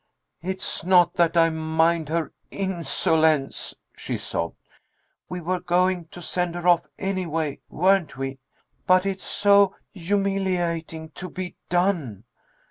"It's not that I mind her insolence," she sobbed, "we were going to send her off anyway, weren't we? But it's so humiliating to be 'done.'